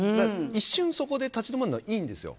一瞬、そこで立ち止まるのはいいんですよ。